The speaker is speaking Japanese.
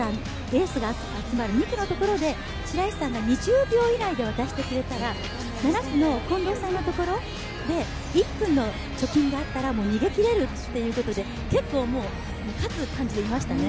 エースが集まる２区のところで白石さんが２０秒以内で渡してくれたら７区の近藤さんのところで１分の貯金があれば逃げ切れるということで結構、勝つ感じでいましたね。